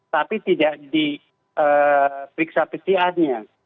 tapi tidak diperiksa pcr nya